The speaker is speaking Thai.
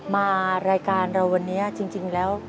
มารายการเราวันนี้จริงแล้ว